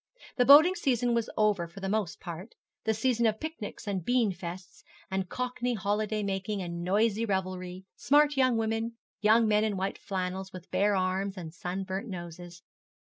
The boating season was over for the most part the season of picnics and beanfeasts, and Cockney holiday making, and noisy revelry, smart young women, young men in white flannels, with bare arms and sunburnt noses.